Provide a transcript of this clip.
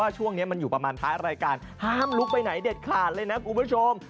ช่วงนี้มันอยู่ประมาณท้ายรายการห้ามลุกไปไหนเด็ดขาดเลยนะคุณผู้ชม